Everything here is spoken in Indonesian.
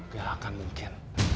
gak akan mungkin